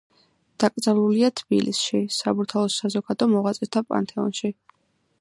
დაკრძალულია თბილისში, საბურთალოს საზოგადო მოღვაწეთა პანთეონში.